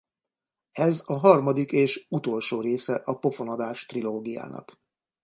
Ez a harmadik és utolsó része a Pofonadás-trilógiának.